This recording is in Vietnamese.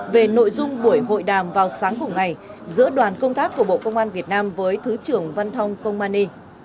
về nội dung buổi hội đàm vào sáng cùng ngày giữa đoàn công tác của bộ công an việt nam với thứ trưởng văn thông công ani